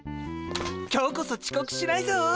今日こそちこくしないぞ。